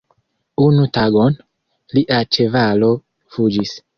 Unu tagon, lia ĉevalo fuĝis.